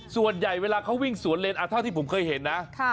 ส่วนใหญ่เวลาเขาวิ่งสวนเลนเท่าที่ผมเคยเห็นนะ